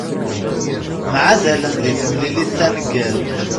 Mεadalen di temlilit taneggarut.